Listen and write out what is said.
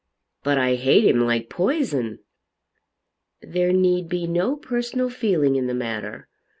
"But I hate him like poison." "There need be no personal feeling in the matter.